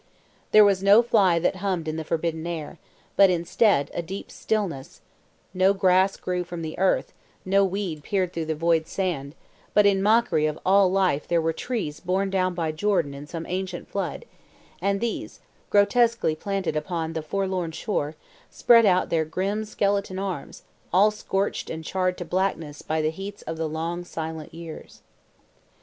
There was no fly that hummed in the forbidden air, but instead a deep stillness; no grass grew from the earth, no weed peered through the void sand; but in mockery of all life there were trees borne down by Jordan in some ancient flood, and these, grotesquely planted upon the forlorn shore, spread out their grim skeleton arms, all scorched and charred to blackness by the heats of the long silent years.